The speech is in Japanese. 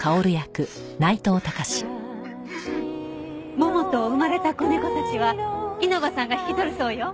ももと生まれた子猫たちは稲葉さんが引き取るそうよ。